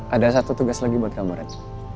ada satu tugas lagi buat kamu rence